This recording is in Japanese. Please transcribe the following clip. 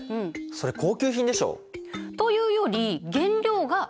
それ高級品でしょ？というより原料が違う。